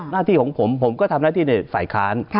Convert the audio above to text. หน้าที่ของผมผมก็ทำหน้าที่ในฝ่ายค้าน